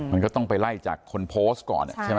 มันก็ต้องไปไล่จากคนโพสต์ก่อนใช่ไหม